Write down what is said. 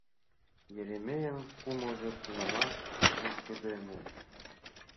Еремейын кумылжо тунамак пушкыдеме.